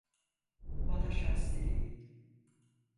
Bana şans dileyin.